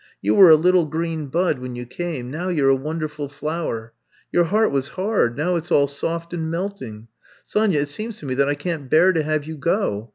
You were a little green bud when you came — now you 're a wonderful flower. Your heart was hard ; now, it 's all soft and melt ing. Sony a, it seems to me that I can't bear to have you go!